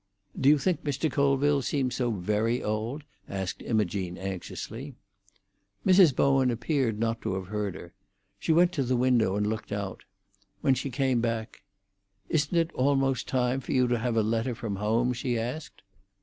"Do you think Mr. Colville seems so very old?" asked Imogene anxiously. Mrs. Bowen appeared not to have heard her. She went to the window and looked out. When she came back, "Isn't it almost time for you to have a letter from home?" she asked.